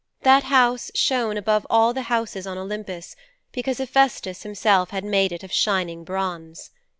That house shone above all the houses on Olympus because Hephaistos himself had made it of shining bronze.